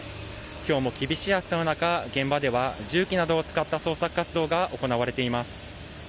きょうも厳しい暑さの中、現場では重機などを使った捜索活動が行われています。